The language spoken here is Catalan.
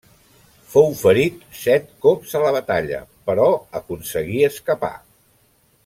Fou ferit set cops a la batalla, però aconseguí escapar.